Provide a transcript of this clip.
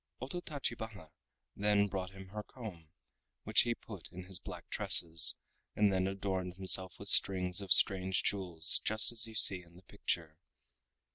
Ototachibana then brought him her comb, which he put in his black tresses, and then adorned himself with strings of strange jewels just as you see in the picture.